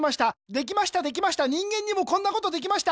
できましたできました人間にもこんなことできました。